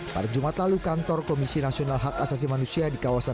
pada jumat lalu kantor komisi nasional hak asasi manusia di kawasan